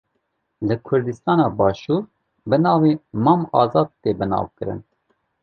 Li Kurdistana başûr bi navê Mam Azad tê bi nav kirin.